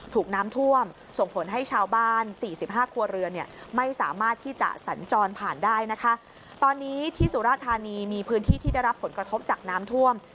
ถูกน้ำท่วมส่งผลให้ชาวบ้าน๔๕ครัวเรือนไม่สามารถที่จะสัญจรผ่านได้นะคะ